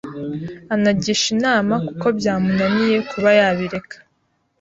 anagisha ’inama kuko byamunaniye kuba yabireka.